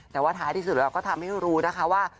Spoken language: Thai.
แต่ว่าท้ายที่สุดเราก็ทำให้รู้นะคะว่า